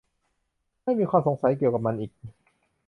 ไม่มีความสงสัยเกี่ยวกับมันอีก